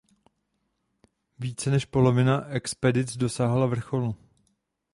Více než polovina expedic dosáhla vrcholu.